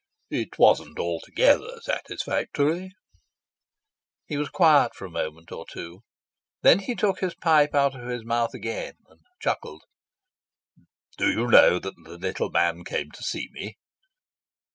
"It wasn't altogether satisfactory." He was quiet for a moment or two, then he took his pipe out of his mouth again, and chuckled. "Do you know that the little man came to see me?"